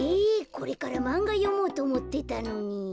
これからマンガよもうとおもってたのに。